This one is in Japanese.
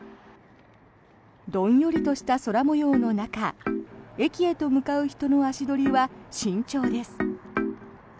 どんよりとした空模様の中駅へと向かう人々の足取りは慎重です。